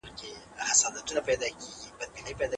رڼا د تیارې پر ضد تر ټولو قوي وسله ده.